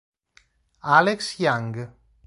Alex Young